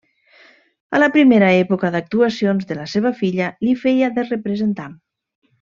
A la primera època d'actuacions de la seva filla li feia de representant.